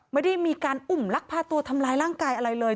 ไม่ได้มีการอุ่มลักพาตัวทำร้ายร่างกายอะไรเลย